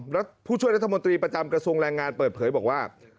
แล้วผู้ช่วยรัฐมนตรีประจำกระทรวงแรงงานเปิดเผยบอกว่า